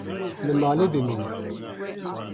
Li malê bimîne.